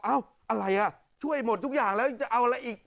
อะไรอ่ะช่วยหมดทุกอย่างแล้วจะเอาอะไรอีก